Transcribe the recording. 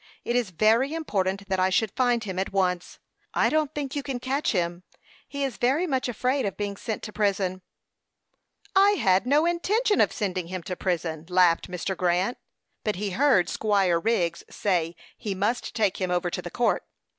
It is very important that I should find him at once." "I don't think you can catch him. He is very much afraid of being sent to prison." "I had no intention of sending him to prison," laughed Mr. Grant. "But he heard Squire Wriggs say he must take him over to the court."